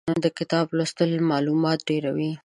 د کتاب لوستل مالومات ډېروي.